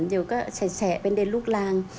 เดี๋ยวก็แฉะเป็นเด็นลูกลาง